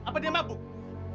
apa dia mabuk